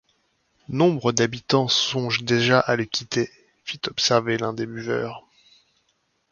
Nombre d’habitants songent déjà à le quitter! fit observer l’un des buveurs.